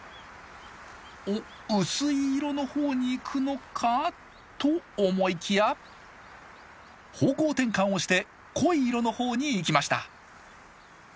おっ薄い色の方に行くのか？と思いきや方向転換をして濃い色の方に行きました。